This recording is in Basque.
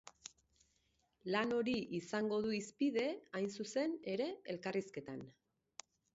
Lan hori izango du hizpide, hain zuen ere elkarrizketan.